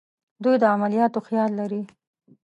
دوی د عملیاتو خیال لري.